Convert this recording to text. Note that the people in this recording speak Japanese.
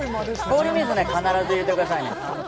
氷水に必ず入れてください。